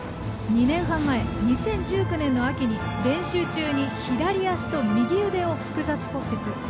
２年半前、２０１９年の秋に練習中に左足と右腕を複雑骨折。